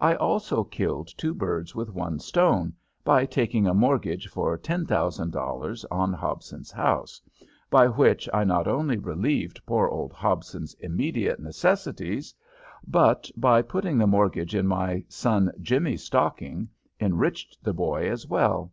I also killed two birds with one stone by taking a mortgage for $10,000 on Hobson's house, by which I not only relieved poor old Hobson's immediate necessities, but, by putting the mortgage in my son Jimmy's stocking, enriched the boy as well.